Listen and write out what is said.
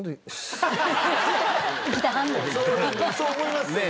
そう思いますよね。